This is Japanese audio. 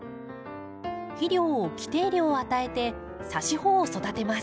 肥料を規定量与えてさし穂を育てます。